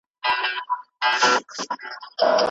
د ژوند حق باید تل خوندي وساتل سي.